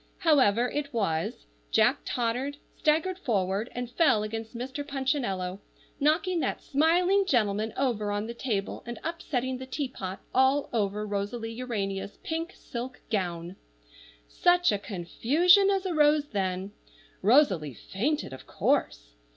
However it was, Jack tottered, staggered forward, and fell against Mr. Punchinello, knocking that smiling gentleman over on the table, and upsetting the teapot all over Rosalie Urania's pink silk gown. Such a confusion as arose then! Rosalie fainted, of course.